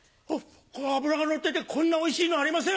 脂がのっててこんなおいしいのありません！